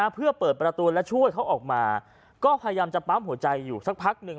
เพื่อเปิดประตูและช่วยเขาออกมาก็พยายามจะปั๊มหัวใจอยู่สักพักหนึ่ง